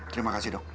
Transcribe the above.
terima kasih dok